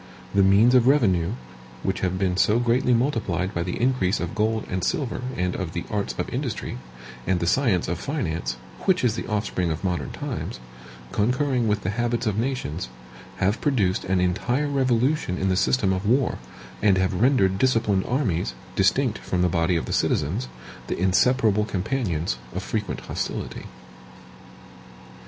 The means of revenue, which have been so greatly multiplied by the increase of gold and silver and of the arts of industry, and the science of finance, which is the offspring of modern times, concurring with the habits of nations, have produced an entire revolution in the system of war, and have rendered disciplined armies, distinct from the body of the citizens, the inseparable companions of frequent hostility.